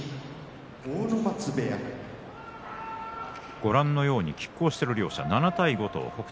ご覧のようにきっ抗している両力士。